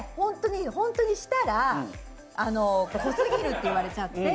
本当に、したら濃すぎるって言われちゃって。